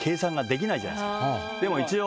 でも一応。